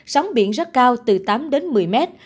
sóng biển rất cao từ tám đến một mươi mét